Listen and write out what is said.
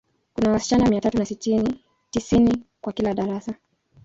Kuna wasichana mia tatu na sitini, tisini kwa kila darasa.